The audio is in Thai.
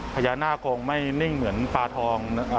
พญานาคงไม่นิ่งเหมือนปลาทอง